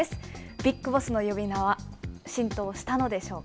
ビッグボスの呼び名は浸透したのでしょうか。